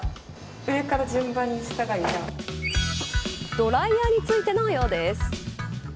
ドライヤーについてのようです。